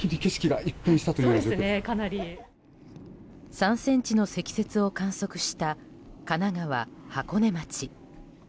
３ｃｍの積雪を観測した神奈川・箱根町。